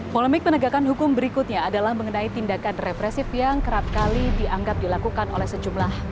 polemik penegakan hukum berikutnya adalah mengenai tindakan represif yang kerap kali dianggap dilakukan oleh sejumlah